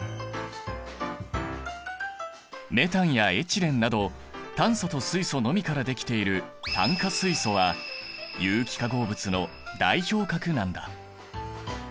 メタンやエチレンなど炭素と水素のみからできている炭化水素は有機化合物の代表格なんだ。